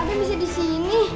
adam bisa di sini